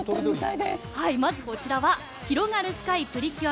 まずこちらは「ひろがるスカイ！プリキュア」